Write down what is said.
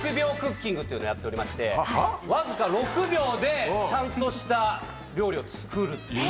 っていうのをやっておりましてわずか６秒でちゃんとした料理を作るっていう。